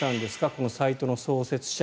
このサイトの創設者